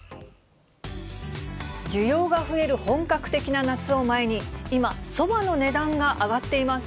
需要が増える本格的な夏を前に、今、そばの値段が上がっています。